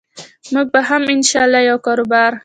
موږ به هم إن شاء الله یو کاربار